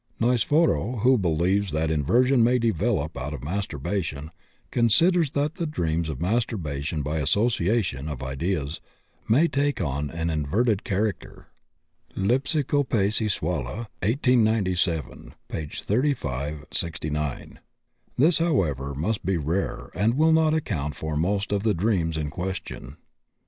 (Niceforo, who believes that inversion may develop out of masturbation, considers that dreams of masturbation by association of ideas may take on an inverted character [Le Psicopatie Sessuale, 1897, pp. 35, 69]; this, however, must be rare, and will not account for most of the dreams in question.)